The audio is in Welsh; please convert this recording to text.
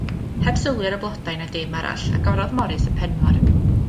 Heb sylwi ar y blodau na dim arall, agorodd Morris y penwar.